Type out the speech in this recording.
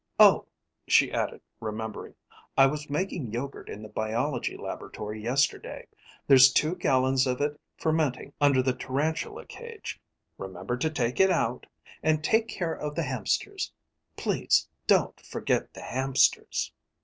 "Oh," she added, remembering, "I was making yogurt in the biology laboratory yesterday. There's two gallons of it fermenting under the tarantula cage. Remember to take it out. And take care of the hamsters. Please don't forget the hamsters."